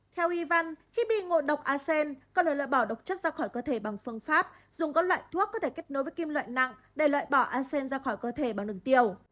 theo y văn khi bị ngộ độc a sen có thể loại bỏ độc chất ra khỏi cơ thể bằng phương pháp dùng các loại thuốc có thể kết nối với kim loại nặng để loại bỏ a sen ra khỏi cơ thể bằng đường tiểu